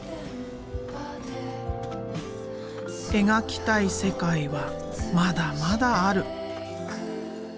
描きたい世界はまだまだある。